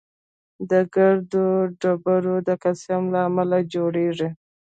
د ګردو ډبرې د کلسیم له امله جوړېږي.